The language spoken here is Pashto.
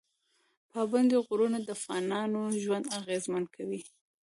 پابندی غرونه د افغانانو ژوند اغېزمن کوي.